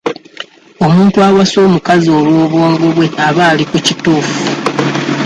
Omuntu awasa omukazi olw'obwongo bwe aba ali ku kituufu.